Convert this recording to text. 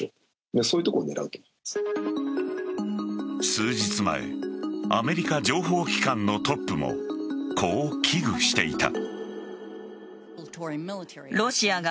数日前アメリカ情報機関のトップもこう危惧していた。